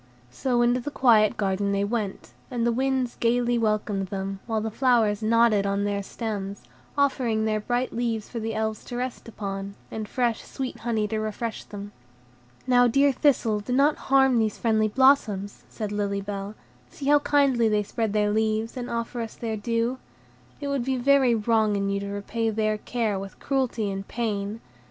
So into the quiet garden they went, and the winds gayly welcomed them, while the flowers nodded on their stems, offering their bright leaves for the Elves to rest upon, and fresh, sweet honey to refresh them. "Now, dear Thistle, do not harm these friendly blossoms," said Lily Bell; "see how kindly they spread their leaves, and offer us their dew. It would be very wrong in you to repay their care with cruelty and pain.